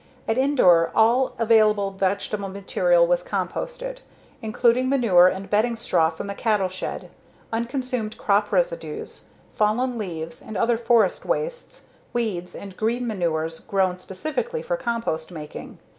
At Indore, all available vegetable material was composted, including manure and bedding straw from the cattle shed, unconsumed crop residues, fallen leaves and other forest wastes, weeds, and green manures grown specifically for compost making.